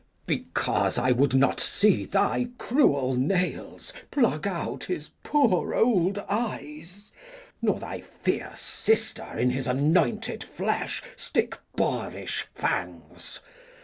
Glou. Because I would not see thy cruel nails Pluck out his poor old eyes; nor thy fierce sister In his anointed flesh stick boarish fangs.